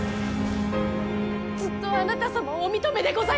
ずっとあなた様をお認めでございました！